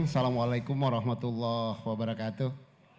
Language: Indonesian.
assalamu alaikum warahmatullahi wabarakatuh